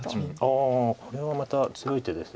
ああこれはまた強い手です。